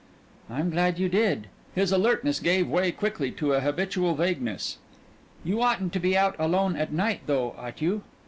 "I'm glad you did." His alertness gave way quickly to a habitual vagueness. "You oughtn't to be out alone at night though, ought you?"